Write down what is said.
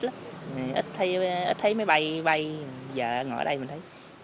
lắm ít thấy máy bay bay giờ ngồi ở đây mình thấy máy bay gần hơn